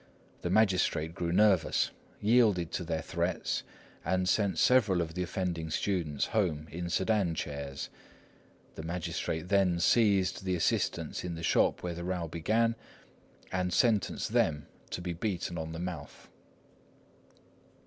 The magistrate grew nervous, yielded to their threats, and sent several of the offending students home in sedan chairs. The magistrate then seized the assistants in the shop where the row began and sentenced them to be beaten on the mouth.